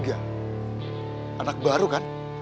anak baru kan